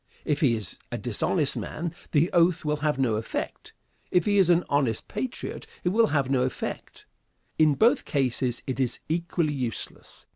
If he is a dishonest man, the oath will have no effect; if he is an honest patriot, it will have no effect. In both cases it is equally useless.